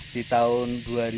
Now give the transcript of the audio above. di tahun dua ribu empat belas